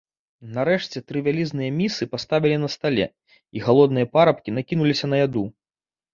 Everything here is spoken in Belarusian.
Нарэшце тры вялізныя місы паставілі на стале, і галодныя парабкі накінуліся на яду.